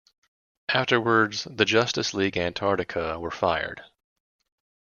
Afterwards, the Justice League Antarctica were fired.